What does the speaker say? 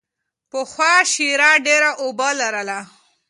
پخوا شیره ډېره اوبه لرله.